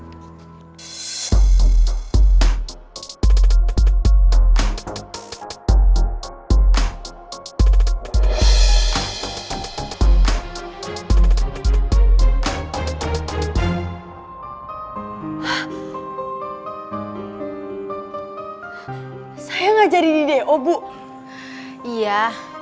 hai saya ngajarin ide obuk iya